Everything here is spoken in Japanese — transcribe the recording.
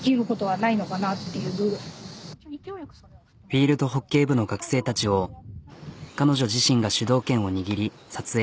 フィールドホッケー部の学生たちを彼女自身が主導権を握り撮影。